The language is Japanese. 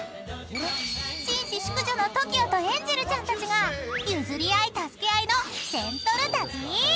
［紳士淑女のＴＯＫＩＯとエンジェルちゃんたちが譲り合い助け合いのジェントル旅！］